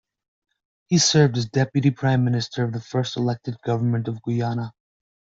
He served as Deputy Prime Minister of the first elected government of Guyana.